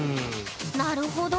なるほど。